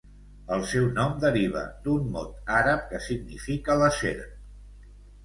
El seu nom deriva d'un mot àrab que significa la Serp.